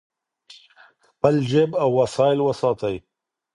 خپل جیب او وسایل وساتئ.